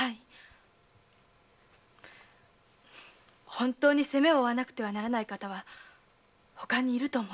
本当に責めを負わねばならぬ方はほかに居ると思います。